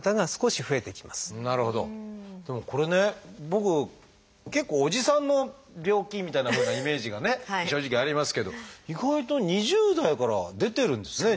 僕結構おじさんの病気みたいなふうなイメージがね正直ありますけど意外と２０代から出てるんですね。